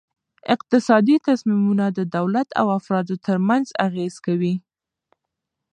اقتصادي تصمیمونه د دولت او افرادو ترمنځ اغیز کوي.